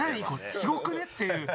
すごくね？」っていう。